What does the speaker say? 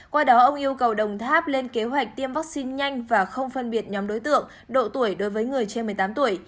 qua đó ông yêu cầu đồng tháp lên kế hoạch tiêm vaccine nhanh và không phân biệt nhóm đối tượng độ tuổi đối với người trên một mươi tám tuổi